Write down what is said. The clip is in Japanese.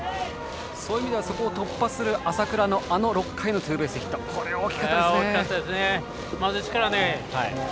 そういう意味ではそこを突破する浅倉の６回のツーベースヒットは大きかったですね。